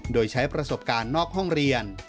โดยใช้ประสบการณ์นอกห้องเรียน